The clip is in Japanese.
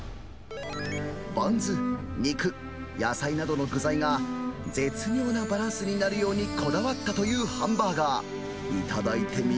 バンズ、肉、野菜などの具材が、絶妙なバランスになるようにこだわったというハンバーガー。